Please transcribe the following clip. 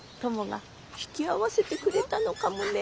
トモが引き合わせてくれたのかもね。